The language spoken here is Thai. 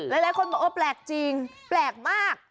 หลายคนบอกเออแปลกจริงแปลกมาก